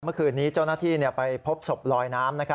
เมื่อคืนนี้เจ้าหน้าที่ไปพบศพลอยน้ำ